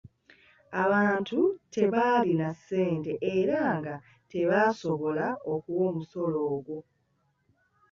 Abantu tebaalina ssente era nga tebasobola kuwa musolo ogwo.